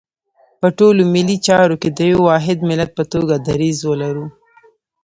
په ټولو ملي چارو کې د یو واحد ملت په توګه دریځ ولرو.